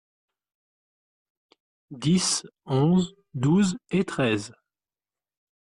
dix, onze, douze et treize.